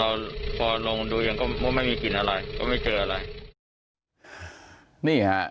แต่ว่าพอลงดูยังก็ไม่มีกลิ่นอะไรก็ไม่เจ้าอะไร